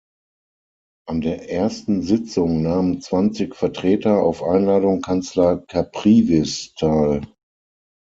An der ersten Sitzung nahmen zwanzig Vertreter auf Einladung Kanzler Caprivis teil.